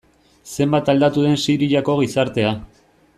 Zenbat aldatu den Siriako gizartea.